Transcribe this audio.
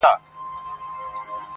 د وخت له کانه به را باسمه غمي د الماس,